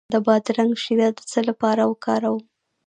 د بادرنګ شیره د څه لپاره وکاروم؟